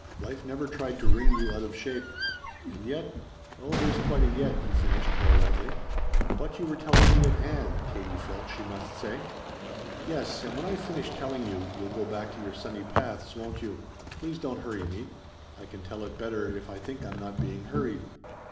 Life never tried to wring you out of shape. And yet oh there's quite a yet," he finished more lightly. "But you were telling me of Ann," Katie felt she must say. "Yes, and when I've finished telling you, you'll go back to your sunny paths, won't you? Please don't hurry me. I can tell it better if I think I'm not being hurried."